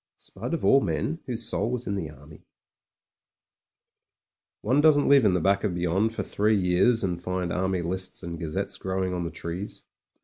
Spud of all men, whose soul was in the Army)— ont doesn't live in the back of beyond for three years and find Army lists and gazettes grow ing on the trees.